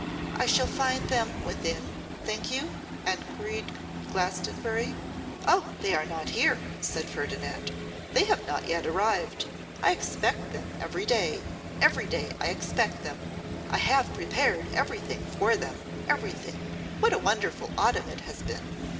'I shall find them within, think you?' enquired Glastonbury. 'Oh! they are not here,' said Ferdinand; 'they have not yet arrived. I expect them every day. Every day I expect them. I have prepared everything for them, everything. What a wonderful autumn it has been!